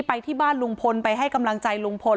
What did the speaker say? ไปที่บ้านลุงพลไปให้กำลังใจลุงพล